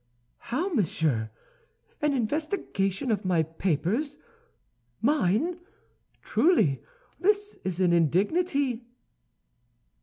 "How, monsieur, an investigation of my papers—mine! Truly, this is an indignity!"